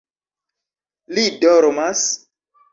- Li dormas?